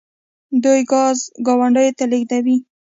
دوی ګاز ګاونډیو ته لیږي.